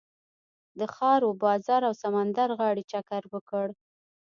د ښار و بازار او سمندر غاړې چکر وکړ.